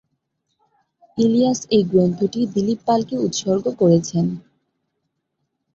ইলিয়াস এই গ্রন্থটি দিলীপ পালকে উৎসর্গ করেছেন।